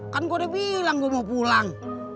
kan gua udah bilang gua mau pulang